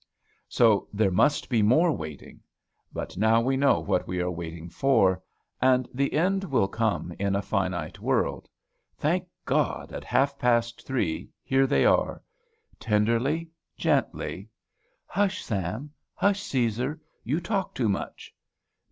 So there must be more waiting. But now we know what we are waiting for; and the end will come in a finite world. Thank God, at half past three, here they are! Tenderly, gently. "Hush, Sam! Hush, Cæsar! You talk too much."